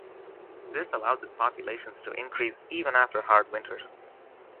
This allows its populations to increase even after hard winters.